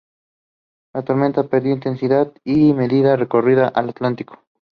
He was sent to the Navy as war correspondent.